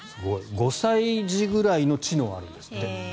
５歳児くらいの知能があるんですって。